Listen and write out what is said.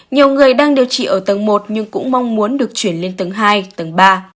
nhiều người đang điều trị ở tầng một nhưng cũng mong muốn được chuyển lên tầng hai tầng ba